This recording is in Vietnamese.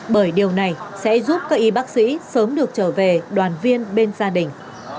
bởi điều này sẽ giúp các y bác sĩ sớm được trở về đoàn viên bên gia đình